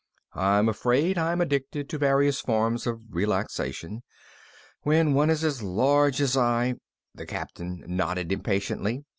"I'm afraid I'm addicted to various forms of relaxation. When one is as large as I " The Captain nodded impatiently.